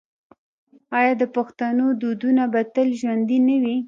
آیا د پښتنو دودونه به تل ژوندي نه وي؟